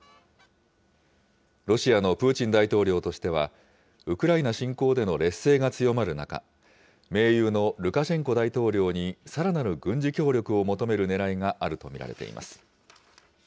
ロシアのプーチン大統領としては、ウクライナ侵攻での劣勢が強まる中、盟友のルカシェンコ大統領にさらなる軍事協力を求めるねらいがあると見られています。